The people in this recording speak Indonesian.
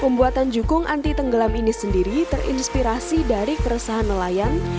pembuatan jukung anti tenggelam ini sendiri terinspirasi dari keresahan nelayan